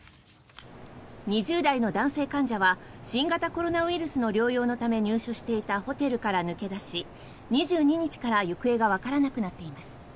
２０代の男性患者は新型コロナウイルスの療養のため入所していたホテルから抜け出し２２日から行方がわからなくなっています。